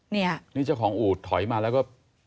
นี่นี่เจ้าของอูดถอยมาแล้วก็